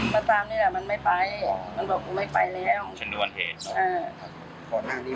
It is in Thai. มาตามนี้มันไม่ไปไม่ไปแล้วอ่ะข้อน่านนี้